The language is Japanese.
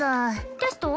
テスト？